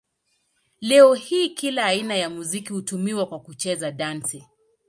Leo hii kila aina ya muziki hutumiwa kwa kucheza dansi.